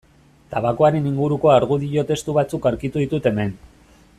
Tabakoaren inguruko argudio testu batzuk aurkitu ditut hemen.